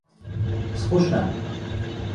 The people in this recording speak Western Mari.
Скучна...